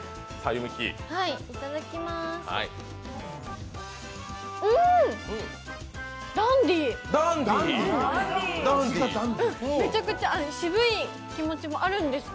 いただきまーす。